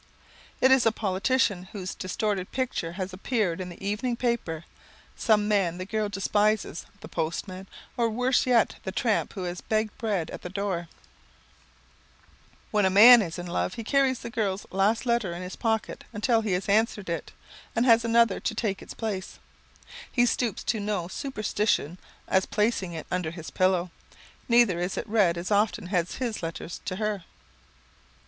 It is a politician whose distorted picture has appeared in the evening paper, some man the girl despises, the postman, or worse yet, the tramp who has begged bread at the door. [Sidenote: When a Man is in Love] When a man is in love, he carries the girl's last letter in his pocket until he has answered it and has another to take its place. He stoops to no such superstition as placing it under his pillow. Neither is it read as often as his letters to her.